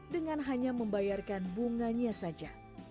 dengan hanya membayarkan bunganya saja